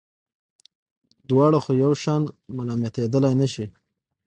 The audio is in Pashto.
دواړه خو یو شان ملامتېدلای نه شي.